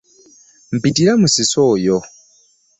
Mpitira Musisi oyo.